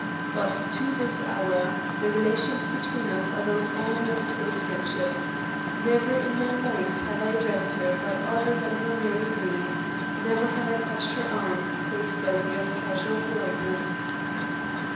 But, to this hour, the relations between us are those only of close friendship. Never in my life have I addressed her by other than her married name, never have I touched her arm save by way of casual politeness.